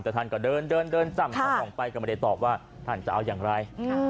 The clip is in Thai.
แต่ท่านก็เดินจ้ำต้องไปกลับมาเลยตอบว่าท่านจะเอาอย่างไร